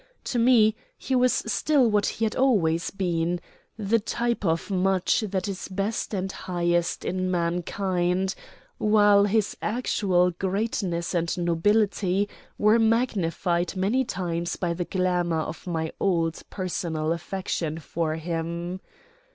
To me he was still what he had always been the type of much that is best and highest in mankind, while his actual greatness and nobility were magnified many times by the glamour of my old personal affection for him.